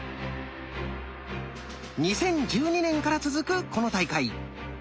２０１２年から続くこの大会。